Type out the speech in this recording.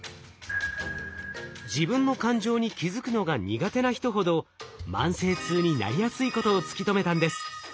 自分の感情に気づくのが苦手な人ほど慢性痛になりやすいことを突き止めたんです。